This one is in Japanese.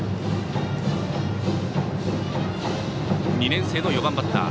２年生の４番バッター。